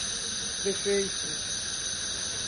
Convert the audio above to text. defeito